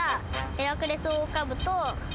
ヘラクレスオオカブト。